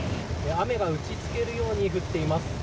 雨が打ち付けるように降っています。